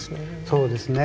そうですね。